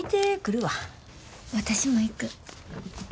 私も行く。